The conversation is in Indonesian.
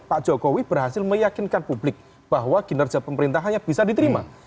pak jokowi berhasil meyakinkan publik bahwa kinerja pemerintah hanya bisa diterima